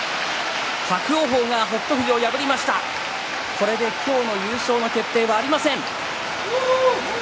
これで今日の優勝の決定はありません。